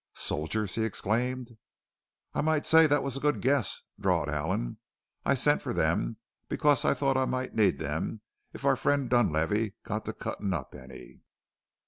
"Soldiers!" he exclaimed. "I might say that was a good guess," drawled Allen. "I sent for them because I thought I might need them if our friend Dunlavey got to cuttin' up any.